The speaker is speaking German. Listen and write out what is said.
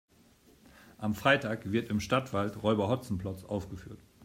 Am Freitag wird im Stadtwald Räuber Hotzenplotz aufgeführt.